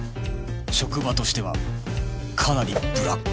職場としてはかなりブラック